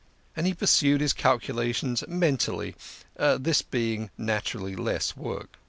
And he pursued his calculations mentally ; this being naturally less work.